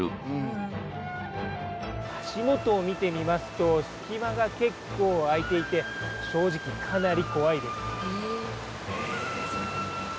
足元を見てみますと隙間が結構開いていて正直かなり怖いです。